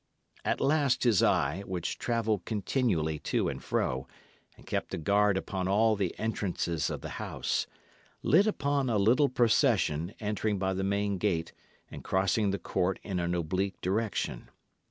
At last his eye, which travelled continually to and fro, and kept a guard upon all the entrances of the house, lit upon a little procession entering by the main gate and crossing the court in an oblique direction.